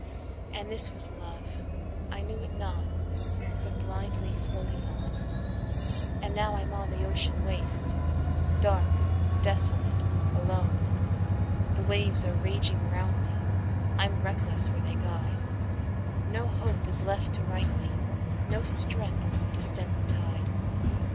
II And this was Love, I knew it not, but blindly floated on, And now I'm on the ocean waste, dark, desolate, alone; The waves are raging round me I'm reckless where they guide; No hope is left to right me, no strength to stem the tide.